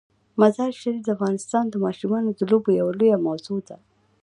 مزارشریف د افغانستان د ماشومانو د لوبو یوه لویه موضوع ده.